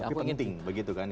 tapi penting begitu kan